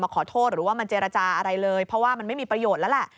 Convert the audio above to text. ขอโทษหรือว่ามันเจรจาอะไรเลยเพราะว่ามันไม่มีประโยชน์แล้วแหละ